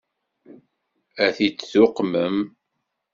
Ad t-id-tuqmem?